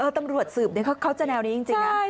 ตำรวจสืบเขาจะแนวนี้จริงนะ